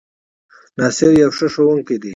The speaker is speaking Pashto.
ناصر يو ښۀ ښوونکی دی